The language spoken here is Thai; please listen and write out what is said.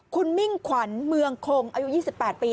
คุณมิ่งขวัญเมืองคงอายุ๒๘ปี